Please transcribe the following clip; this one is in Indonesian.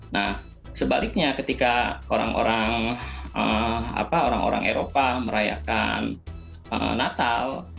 nah sebaliknya ketika orang orang eropa merayakan natal